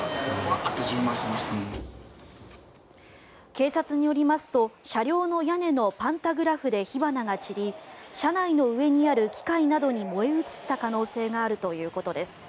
警察によりますと車両の屋根のパンタグラフで火花が散り車内の上にある機械などに燃え移った可能性があるということです。